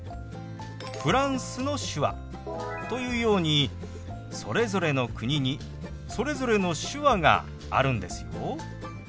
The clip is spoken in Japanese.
フランスの手話というようにそれぞれの国にそれぞれの手話があるんですよ。